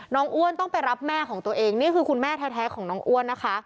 อ้วนต้องไปรับแม่ของตัวเองนี่คือคุณแม่แท้ของน้องอ้วนนะคะ